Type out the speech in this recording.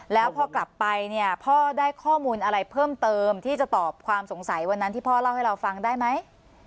แล้วพอกลับไปเนี่ยพ่อได้ข้อมูลอะไรเพิ่มเติมที่จะตอบความสงสัยวันนั้นที่พ่อเล่าให้เราฟังได้ไหม